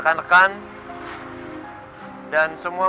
k k yang beneran